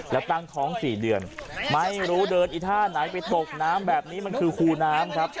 แล้วตั้งท้อง๔เดือนไม่รู้เดินอีท่าไหนไปตกน้ำแบบนี้มันคือคูน้ำครับ